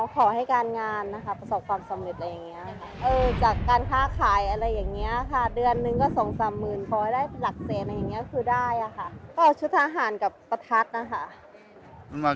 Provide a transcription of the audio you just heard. ขอให้การงานประสบความสำเร็จอะไรอย่างนี้ค่ะ